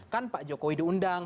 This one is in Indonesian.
kan pak jokowi diundang